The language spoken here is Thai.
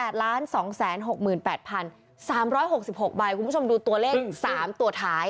๖๖ใบคุณผู้ชมดูตัวเลข๓ตัวท้าย